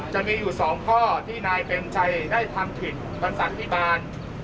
จะมีอยู่สองข้อที่นายเต็มใจได้ทำผิดบริษัทพิบาร